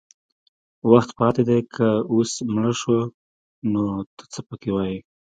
وخت پاتې دی که اوس مړه شو نو ته څه پکې وایې